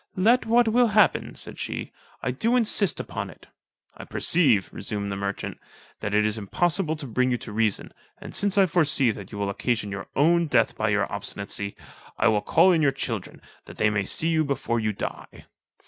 "Let what will happen," said she, "I do insist upon it." "I perceive," resumed the merchant, "that it is impossible to bring you to reason, and since I foresee that you will occasion your own death by your obstinacy, I will call in your children, that they may see you before you die."